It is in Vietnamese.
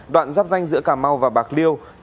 đoạn giáp danh giữa cà mau và bạc liêu